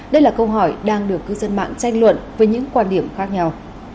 đây là câu hỏi đang được cư dân mạng tranh luận với những quan điểm khác nhau